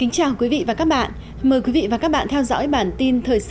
cảm ơn các bạn đã theo dõi